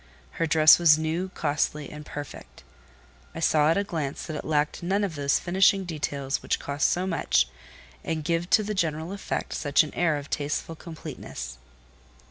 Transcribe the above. Her dress was new, costly, and perfect. I saw at a glance that it lacked none of those finishing details which cost so much, and give to the general effect such an air of tasteful completeness.